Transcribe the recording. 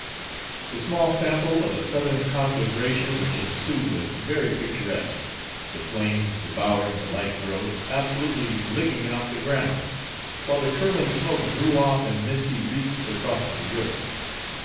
The small sample of a southern conflagration which ensued was very picturesque, the flames devouring the light growth, absolutely licking it off the ground, while the curling smoke drew off in misty wreaths across the river.